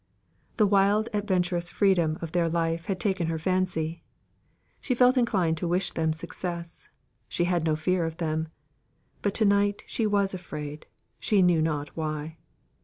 The wild adventurous freedom of their life had taken her fancy; she felt inclined to wish them success; she had no fear of them. But to night she was afraid, she knew not why.